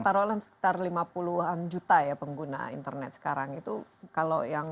taruhan sekitar lima puluh an juta ya pengguna internet sekarang itu kalau yang